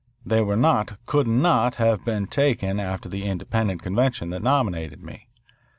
They were not, could not have been taken after the independent convention that nominated me.